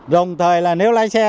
đồng thời là nếu lái xe